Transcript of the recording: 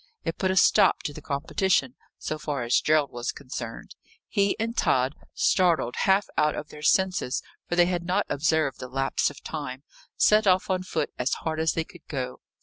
It put a stop to the competition, so far as Gerald was concerned. He and Tod, startled half out of their senses, for they had not observed the lapse of time, set off on foot as hard as they could go.